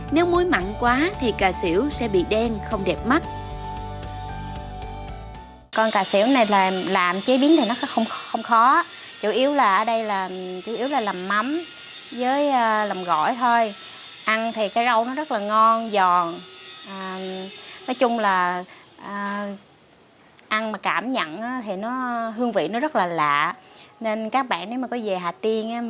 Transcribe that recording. nếu muối mặn quá thì cà xỉu sẽ bị đen không đẹp mắt